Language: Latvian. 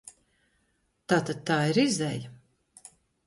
Tātad tā ir izeja.